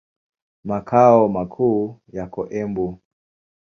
Makao makuu yako Embu.